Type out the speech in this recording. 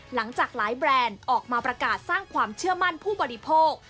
หลังจากหลายแบรนด์ออกมาประกาศสร้างความเชื่อมั่นผู้บริโภค